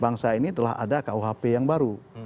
bangsa ini telah ada kuhp yang baru